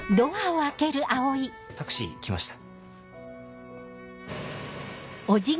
タクシー来ました。